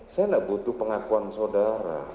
saya nggak butuh pengakuan saudara